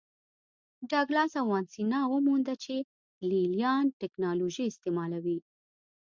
ډاګلاس او وانسینا ومونده چې لې لیان ټکنالوژي استعملوي